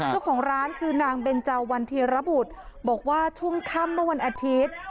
เจ้าของร้านคือนางเบนเจ้าวันธีระบุตรบอกว่าช่วงค่ำเมื่อวันอาทิตย์